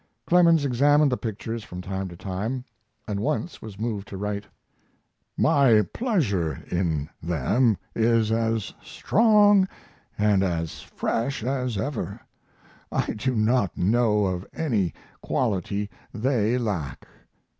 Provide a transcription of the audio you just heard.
Clemens examined the pictures from time to time, and once was moved to write: My pleasure in them is as strong and as fresh as ever. I do not know of any quality they lack.